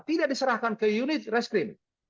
tidak diserahkan ke unit reskrim